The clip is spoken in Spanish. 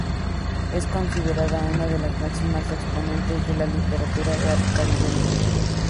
Es considerada una de las máximas exponentes de la literatura caribeña.